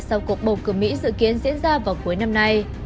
sau cuộc bầu cử mỹ dự kiến diễn ra vào cuối năm nay